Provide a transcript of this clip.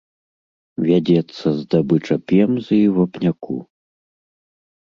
Вядзецца здабыча пемзы і вапняку.